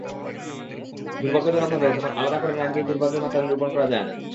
দুর্ভাগ্যজনকভাবে তখন আলাদা করে নারীদের দুর্ভোগের মাত্রা নিরূপণ করা যায় না।